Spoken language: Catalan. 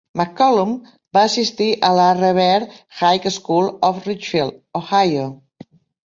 McCollum va assistir a la Revere High School a Richfield, Ohio.